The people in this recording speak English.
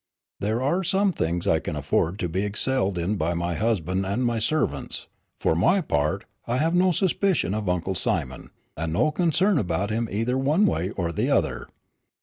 "There are some things I can afford to be excelled in by my husband and my servants. For my part, I have no suspicion of Uncle Simon, and no concern about him either one way or the other."